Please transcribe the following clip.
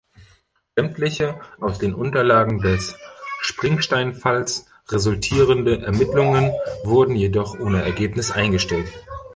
Sämtliche aus den Unterlagen des Springstein-Falls resultierenden Ermittlungen wurden jedoch ohne Ergebnis eingestellt.